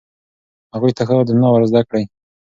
هغوی ته ښه عادتونه ور زده کړئ.